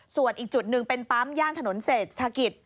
ส่วนอีกจุดหนึ่งเป็นปั๊มย่านถนนเศรษฐกิจ